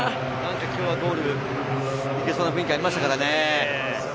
今日はゴール行けそうな雰囲気ありましたからね。